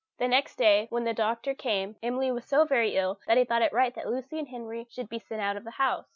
The next day, when the doctor came, Emily was so very ill that he thought it right that Lucy and Henry should be sent out of the house.